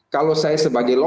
kalau saya sebagai lawan